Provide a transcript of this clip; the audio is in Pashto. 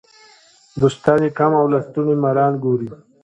دوستان یې کم او لستوڼي ماران ګوري.